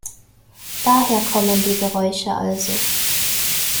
Daher kommen die Geräusche also!